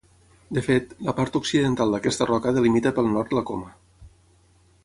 De fet, la part occidental d'aquesta roca delimita pel nord la Coma.